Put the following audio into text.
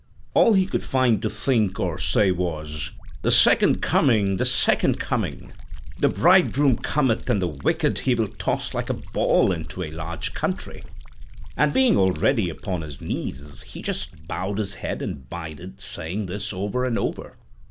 All he could find to think or say was, 'The Second Coming! The Second Coming! The Bridegroom cometh, and the wicked He will toss like a ball into a large country'; and being already upon his knees, he just bowed his head and 'bided, saying this over and over.